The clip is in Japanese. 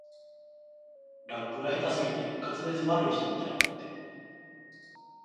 ラップが下手すぎて滑舌悪い人みたいになってる